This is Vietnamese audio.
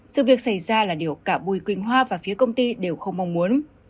sự việc xảy ra là điều cả bùi quỳnh hoa và phía công ty đều không mong muốn